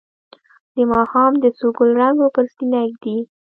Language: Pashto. د ماښام د څو ګلرنګو پر سینه ږدي